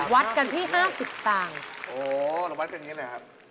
วัดกันที่๕๐ต่างโอ้โฮเราวัดกันอย่างนี้หน่อยครับ